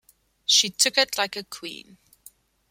She took it like a queen.